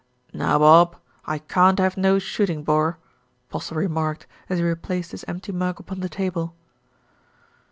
"Now, Bob, I can't have no shooting, bor," Postle remarked, as he replaced his empty mug upon the table.